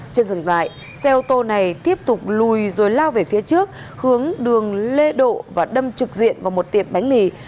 trên dừng lại xe ô tô này tiếp tục lùi rồi lao về phía trước hướng đường lê độ và đâm trực diện vào một tiệm bánh mì